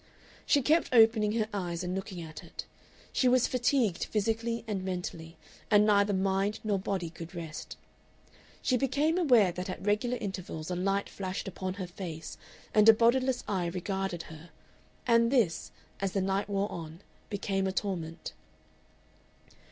She kept opening her eyes and looking at it. She was fatigued physically and mentally, and neither mind nor body could rest. She became aware that at regular intervals a light flashed upon her face and a bodiless eye regarded her, and this, as the night wore on, became a torment....